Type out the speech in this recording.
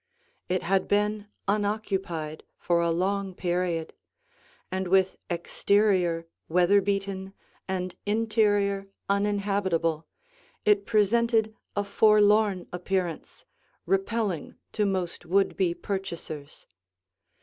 It had been unoccupied for a long period and with exterior weather beaten and interior uninhabitable, it presented a forlorn appearance, repelling to most would be purchasers.